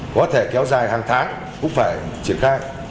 có thể kéo dài hàng tháng cũng phải triển khai